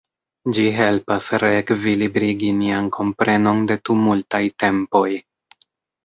Ĝi helpas reekvilibrigi nian komprenon de tumultaj tempoj.